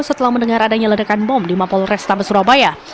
setelah mendengar adanya ledakan bom di mapol restabes surabaya